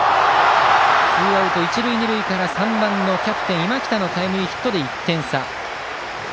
ツーアウト、一塁二塁から３番キャプテンの今北のタイムリーヒットで１点差。